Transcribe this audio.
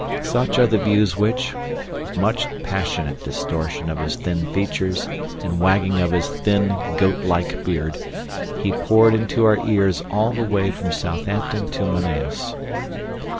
Such are the views which, with much passionate distortion of his thin features and wagging of his thin, goat like beard, he poured into our ears all the way from Southampton to Manaos.